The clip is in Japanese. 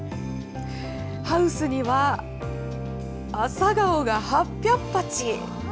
ハウスには朝顔が８００鉢。